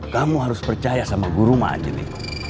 kamu harus percaya sama guru ma anjani